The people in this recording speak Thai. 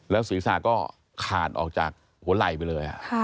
แล้วศรีศะก็ขาดออกจากหัวไหล่ไปเลย